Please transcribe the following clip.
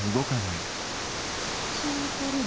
聞いてるの？